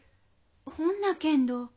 ほんなけんど。